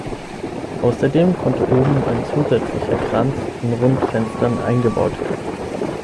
Außerdem konnte oben ein zusätzlicher Kranz von Rundfenstern eingebaut werden.